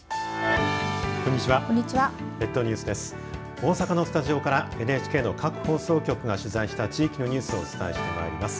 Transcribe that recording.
大阪のスタジオからＮＨＫの各放送局が取材した地域のニュースをお伝えしてまいります。